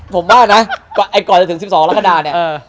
ผมว่านะก่อนจะถึง๑๒กรกฎาเนี่ย